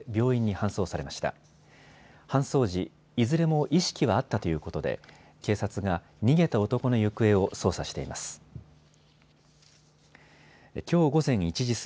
搬送時、いずれも意識はあったということで警察が逃げた男の行方を捜査しています。